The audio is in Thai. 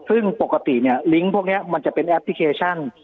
ซึ่งปกติเนี่ยลิงก์พวกนี้มันจะเป็นแอปพลิเคชัน